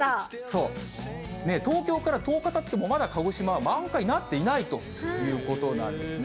そう、東京から１０日たってもまだ鹿児島は満開になっていないということなんですね。